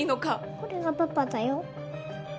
これがパパだよ